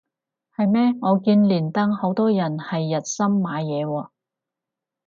係咩我見連登好多人係日森買嘢喎